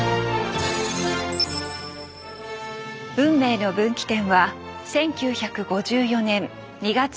運命の分岐点は１９５４年２月１９日。